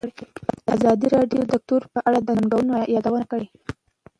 ازادي راډیو د کلتور په اړه د ننګونو یادونه کړې.